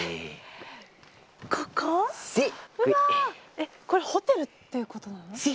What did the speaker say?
えっこれホテルっていうことなの？